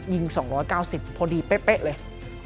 ยิง๒๙๐พอดีเป๊ะเลย